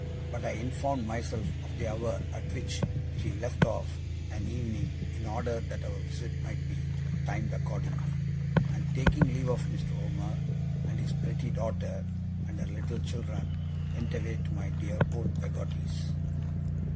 but I informed myself of the hour at which she left of an evening, in order that our visit might be timed accordingly; and taking leave of Mr. Omer, and his pretty daughter, and her little children, went away to my dear old Peggotty's.